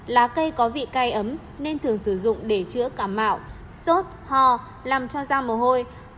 lá cây có vị cay ấm nên thường sử dụng để chữa cả mạo sốt ho làm cho da mồ hôi